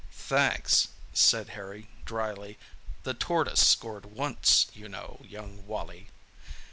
"Thanks," said Harry dryly. "The tortoise scored once, you know, young Wally!"